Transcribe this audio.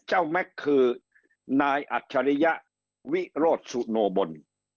แม็กซ์คือนายอัจฉริยะวิโรธสุโนบล